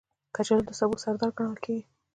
کچالو د سبو سردار ګڼل کېږي